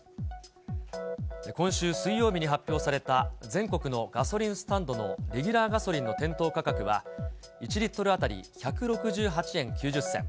今週水曜日に発表された全国のガソリンスタンドのレギュラーガソリンの店頭価格は、１リットル当たり１６８円９０銭。